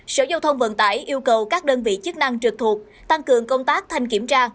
sở giao thông vận tải yêu cầu các đơn vị chức năng trực thuộc tăng cường công tác thanh kiểm tra